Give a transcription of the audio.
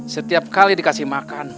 setiap kali dikasih makan